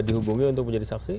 dihubungi untuk menjadi saksi